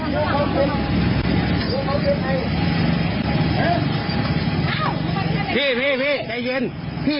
พี่พี่พี่